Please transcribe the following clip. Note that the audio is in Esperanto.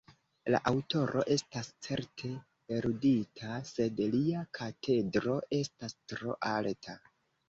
La aŭtoro estas certe erudita, sed lia katedro estas tro alta.